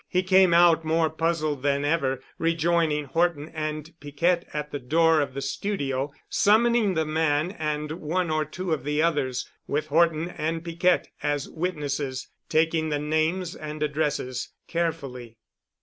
He came out more puzzled than ever, rejoining Horton and Piquette at the door of the studio, summoning the man and one or two of the others, with Horton and Piquette, as witnesses, taking the names and addresses carefully.